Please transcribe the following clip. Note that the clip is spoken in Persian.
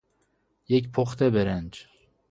یک پخت برنج